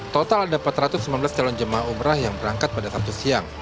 total ada empat ratus sembilan belas calon jemaah umrah yang berangkat pada sabtu siang